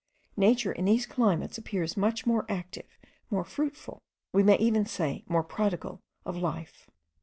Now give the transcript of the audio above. Nature in these climates appears more active, more fruitful, we may even say more prodigal, of life.